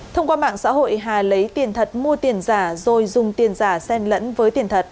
thông qua mạng xã hội hà lấy tiền thật mua tiền giả rồi dùng tiền giả sen lẫn với tiền thật